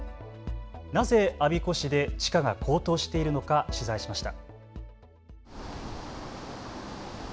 なぜ我孫子市で地価が高騰しているのか取材しました。